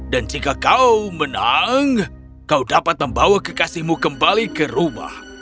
dan jika kau menang kau dapat membawa kekasihmu kembali ke rumah